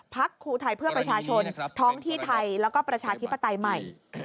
ครูไทยเพื่อประชาชนท้องที่ไทยแล้วก็ประชาธิปไตยใหม่